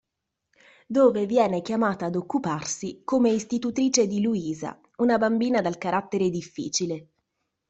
Dove viene chiamata ad occuparsi come istitutrice di Louisa una bambina dal carattere difficile.